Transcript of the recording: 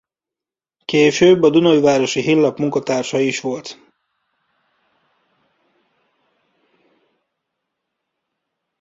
Később a Dunaújvárosi Hírlap munkatársa is volt.